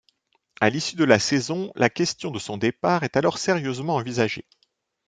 À l'issue de la saison, la question de son départ est alors sérieusement envisagée.